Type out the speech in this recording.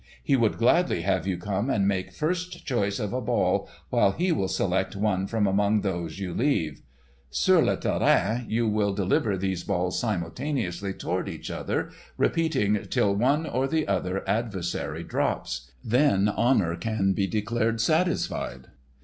He would gladly have you come and make first choice of a ball while he will select one from among those you leave. Sur le terrain, you will deliver these balls simultaneously toward each other, repeating till one or the other adversary drops. Then honour can be declared satisfied."